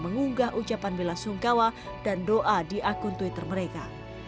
mengunggah ucapan bela sungkawa dan doa di akun twitter mereka